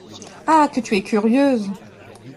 Ah ! que tu es curieuse !…